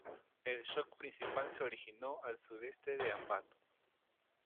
El shock principal se originó al sudeste de Ambato.